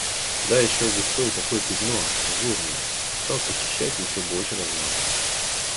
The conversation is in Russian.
Да ещё густое такое пятно... жирное. Стал подчищать и ещё больше размазал.